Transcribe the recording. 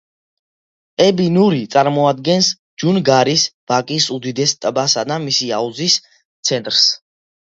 ები-ნური წარმოადგენს ჯუნგარის ვაკის უდიდეს ტბასა და მისი აუზის ცენტრს.